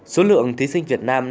số lượng thí sinh việt nam